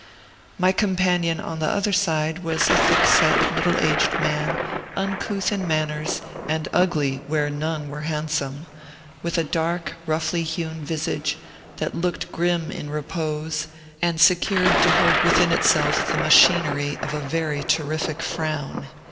My companion on the other side was a thick set, middle aged man, uncouth in manners, and ugly where none were handsome, with a dark, roughly hewn visage, that looked grim in repose, and secured to hold within itself the machinery of a very terrific frown.